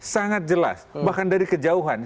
sangat jelas bahkan dari kejauhan